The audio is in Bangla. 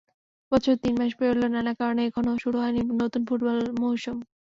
বছরের তিন মাস পেরোলেও নানা কারণে এখনো শুরু হয়নি নতুন ফুটবল মৌসুম।